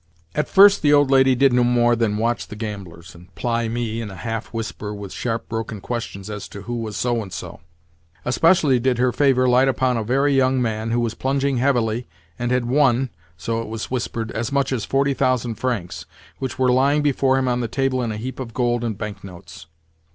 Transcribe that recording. At first the old lady did no more than watch the gamblers, and ply me, in a half whisper, with sharp broken questions as to who was so and so. Especially did her favour light upon a very young man who was plunging heavily, and had won (so it was whispered) as much as 40,000 francs, which were lying before him on the table in a heap of gold and bank notes.